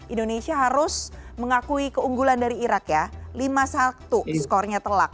indonesia harus mengakui keunggulan dari irak ya lima satu skornya telak